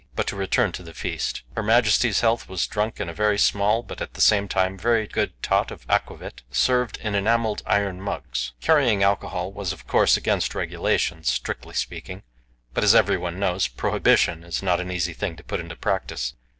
But to return to the feast. Her Majesty's health was drunk in a very small, but, at the same time, very good tot of aquavit, served in enamelled iron mugs. Carrying alcohol was, of course, against regulations, strictly speaking; but, as everyone knows, prohibition is not an easy thing to put into practice.